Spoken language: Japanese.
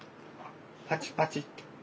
パチパチって。